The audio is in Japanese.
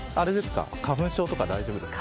花粉症とか大丈夫ですか。